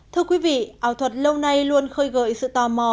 thưa quý vị ảo thuật lâu nay luôn khơi gợi sự tò mò